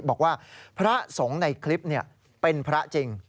บอกว่าพระสงฆ์ในคลิปเป็นพระจริง